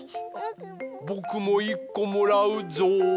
ぼくもいっこもらうぞう。